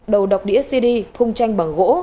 đầu độc đĩa cd khung tranh bằng gỗ